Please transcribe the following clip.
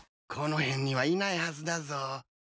この辺にはいないはずだぞ。